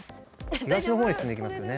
東の方に進んでいきますよね。